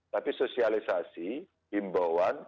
tapi sosialisasi bimbauan